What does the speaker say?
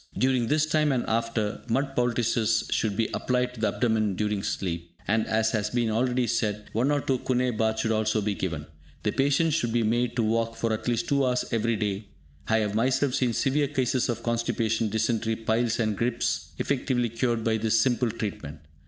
During this time and after, mud poultices should be applied to the abdomen during sleep; and, as has been already said, one or two "Kuhne baths" should also be taken. The patient should be made to walk for at least two hours every day. I have myself seen severe cases of constipation, dysentery, piles and gripes effectively cured by this simple treatment.